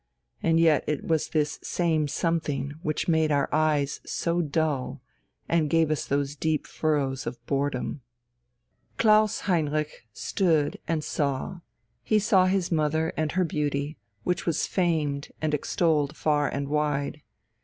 And yet it was this same something which made our eyes so dull, and gave us those deep furrows of boredom.... Klaus Heinrich stood and saw he saw his mother and her beauty, which was famed and extolled far and wide.